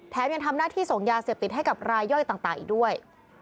ยังทำหน้าที่ส่งยาเสพติดให้กับรายย่อยต่างอีกด้วย